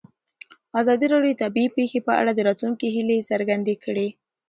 ازادي راډیو د طبیعي پېښې په اړه د راتلونکي هیلې څرګندې کړې.